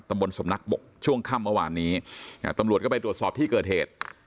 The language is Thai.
บนสำนักบกช่วงค่ำเมื่อวานนี้ตำรวจก็ไปตรวจสอบที่เกิดเหตุ